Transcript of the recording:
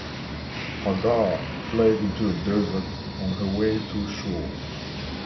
Hagar fled into the desert on her way to Shur.